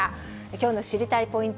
きょうの知りたいッ！